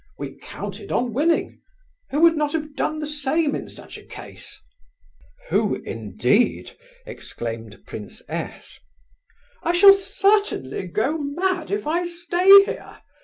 We counted on winning... Who would not have done the same in such a case?" "Who indeed?" exclaimed Prince S. "I shall certainly go mad, if I stay here!"